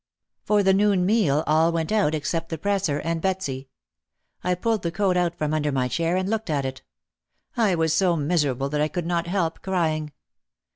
For the noon meal all went out except the presser and Betsy. I pulled the coat out from under my chair and looked at it. I was so miserable that I could not help crying.